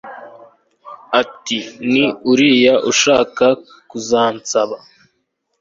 iti 'ni uriya ushaka kuzansaba